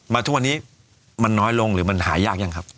ทุกวันนี้มันน้อยลงหรือมันหายากยังครับ